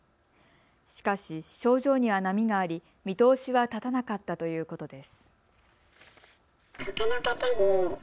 しかし、症状には波があり見通しは立たなかったということです。